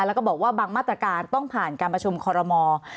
แล้วก็บอกว่าบางมาตรการต้องผ่านการประชุมคอรมอล์